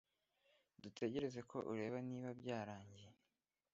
dutegereza ko ureba niba byarangiye